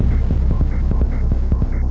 elokgg assez gampang waktu itu cheem